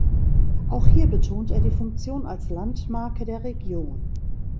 Auch hier betont er die Funktion als Landmarke der Region.